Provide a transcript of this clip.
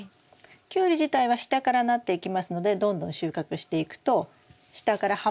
キュウリ自体は下からなっていきますのでどんどん収穫していくと下から葉っぱだけになってますよね。